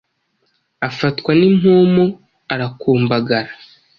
afatwa n’impumu arakumbagara